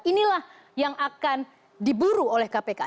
inilah yang akan diburu oleh kpk